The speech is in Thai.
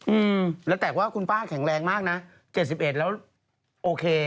อืมแล้วแต่ว่าคุณป้าแข็งแรงมากนะ๗๑แล้วโอเค